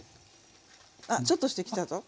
あちょっとしてきたぞ。